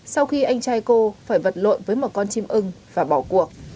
sau khi anh trai cô phải vật lộn với một con chim ưng và bỏ cuộc